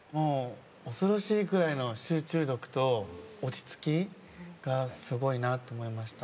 恐ろしいくらいの集中力と落ち着きがすごいなと思いました。